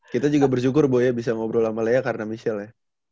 kita juga bersyukur buya bisa ngobrol sama lea karena michelle ya